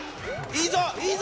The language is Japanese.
いいぞ！